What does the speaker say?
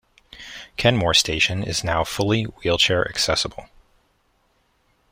Kenmore station is now fully wheelchair accessible.